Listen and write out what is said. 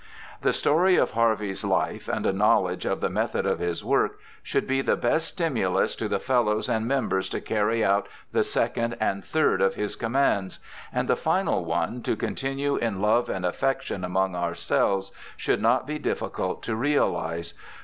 The story of Harvey's life, and a knowledge of the method of his work, should be the best stimulus to the Fellows and Members to carry out the second and third of his commands ; and the final one, to continue in love and affection among ourselves, should not be difficult to realize.